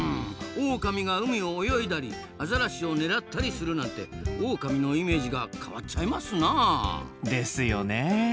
オオカミが海を泳いだりアザラシを狙ったりするなんてオオカミのイメージが変わっちゃいますなあ。ですよね。